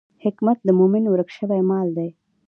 حکمت د مومن ورک شوی مال دی.